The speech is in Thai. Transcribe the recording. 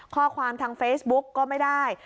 ข้อความทางเฟซบุ๊กก็ไม่ได้